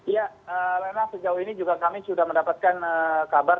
ya memang sejauh ini juga kami sudah mendapatkan kabar